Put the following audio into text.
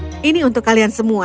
ini sayang ini untuk kalian semua